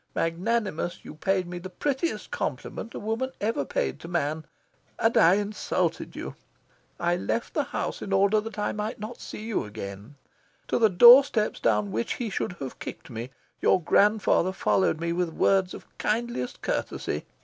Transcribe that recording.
Magnanimous, you paid me the prettiest compliment woman ever paid to man, and I insulted you. I left the house in order that I might not see you again. To the doorsteps down which he should have kicked me, your grandfather followed me with words of kindliest courtesy.